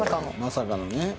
まさかのね。